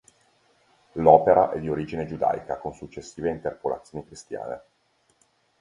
L'opera è di origine giudaica con successive interpolazioni cristiane.